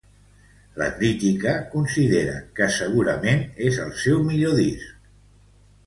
La crítica considera que segurament és el seu millor disc.